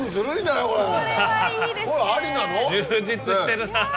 充実してるな。